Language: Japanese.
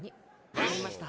分かりました。